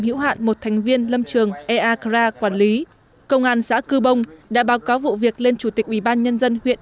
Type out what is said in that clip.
hữu hạn một thành viên lâm trường eakar quản lý công an xã cư bông đã báo cáo vụ việc lên chủ tịch ủy ban nhân dân huyện